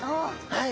はい。